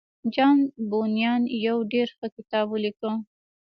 جان بونيان يو ډېر ښه کتاب وليکه.